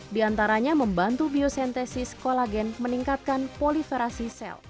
diantaranya membantu biosentesis kolagen meningkatkan poliferasi sel